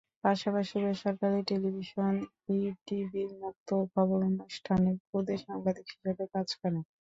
পাশাপাশি বেসরকারি টেলিভিশন ইটিভির মুক্ত খবর অনুষ্ঠানের খুদে সাংবাদিক হিসেবে কাজ করে।